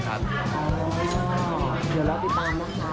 เดี๋ยวเราติดตามนะคะ